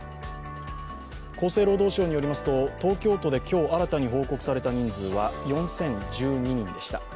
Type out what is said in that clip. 厚生労働省によりますと東京都で今日新たに報告された人数は４０１２人でした。